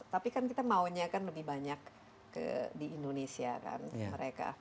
tapi kan kita maunya kan lebih banyak di indonesia kan mereka